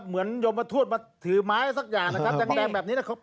เหมือนยมมาถวดมาถือไม้สักอย่างนะครับจังแดงแบบนี้นะครับ